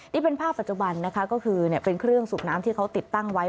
นี่เป็นภาพปัจจุบันนะคะก็คือเป็นเครื่องสูบน้ำที่เขาติดตั้งไว้